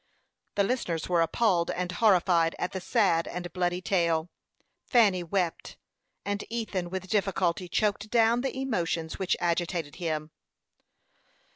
The listeners were appalled and horrified at the sad and bloody tale. Fanny wept, and Ethan with difficulty choked down the emotions which agitated him.